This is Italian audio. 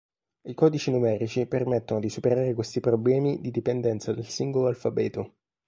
I codici numerici permettono di superare questi problemi di dipendenza dal singolo alfabeto.